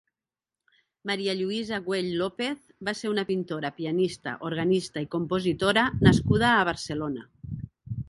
Maria Lluïsa Güell López va ser una pintora, pianista, organista i compositora nascuda a Barcelona.